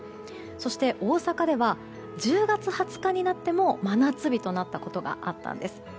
そして、大阪では１０月２０日になっても真夏日となったことがあったんです。